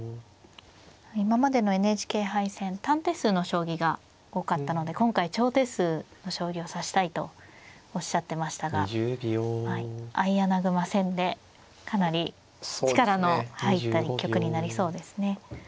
今までのＮＨＫ杯戦短手数の将棋が多かったので今回長手数の将棋を指したいとおっしゃってましたが相穴熊戦でかなり力の入った一局になりそうですね。